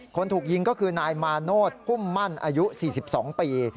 คนถูกยิงก็คือนายมาโนธพุ่มมั่นอายุ๔๒ปี